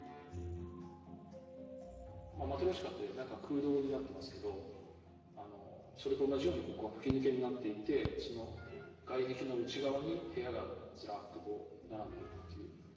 マトリョーシカって中空洞になってますけどそれと同じようにここが吹き抜けになっていて外壁の内側に部屋がずらっとこう並んでいるっていう構造ですね。